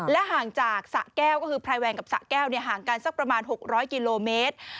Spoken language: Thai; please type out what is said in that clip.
ห่างจากสะแก้วก็คือพรายแวงกับสะแก้วห่างกันสักประมาณ๖๐๐กิโลเมตร